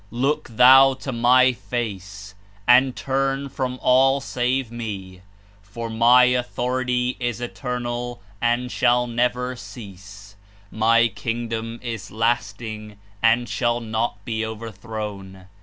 Look thou to my Face, and turn from all save Me, for my Authority is eternal and shall never cease; my Kingdom is lasting and shall not be overt hroziu.